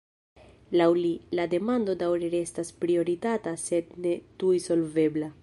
Laŭ li, la demando daŭre restas prioritata sed ne tuj solvebla.